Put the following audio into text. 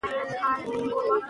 دوی یې قبر ښخوي.